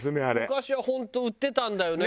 昔は本当売ってたんだよね